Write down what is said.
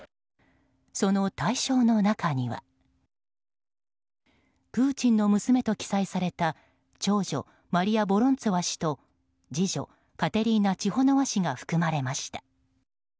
その対象の中にはプーチンの娘と記載された長女、マリヤ・ボロンツォワ氏と次女、カテリーナ・チホノワ氏が含まれました。